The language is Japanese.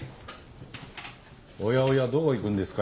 おやおやどこ行くんですか？